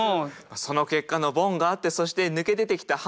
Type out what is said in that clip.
その結果のボンがあってそして抜け出てきた半ボン